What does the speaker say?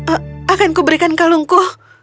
ah akan kuberikan kalungku